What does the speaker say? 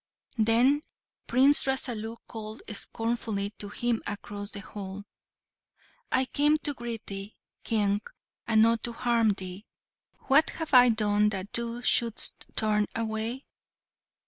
Then Prince Rasalu called scornfully to him across the hall: "I came to greet thee, King, and not to harm thee! What have I done that thou shouldst turn away?